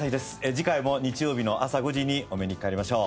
次回も日曜日の朝５時にお目にかかりましょう。